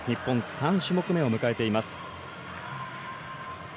３種目めを迎えています。